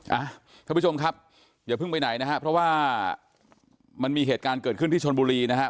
ท่านผู้ชมครับอย่าเพิ่งไปไหนนะครับเพราะว่ามันมีเหตุการณ์เกิดขึ้นที่ชนบุรีนะครับ